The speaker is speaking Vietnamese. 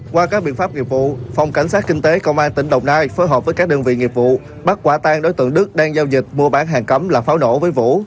qua các biện pháp nghiệp vụ phòng cảnh sát kinh tế công an tỉnh đồng nai phối hợp với các đơn vị nghiệp vụ bắt quả tan đối tượng đức đang giao dịch mua bán hàng cấm là pháo nổ với vũ